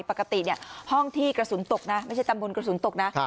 ปกติห้องที่กระสุนตกนะไม่ใช่ตำบลกระสุนตกนะ